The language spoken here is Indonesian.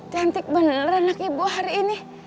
cantik bener anak ibu hari ini